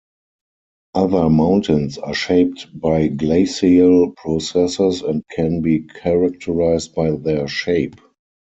Other mountains are shaped by glacial processes and can be characterized by their shape.